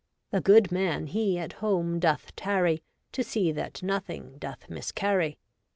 The good man he at home doth tarry. To see that nothing doth miscarry.